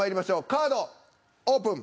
カードオープン。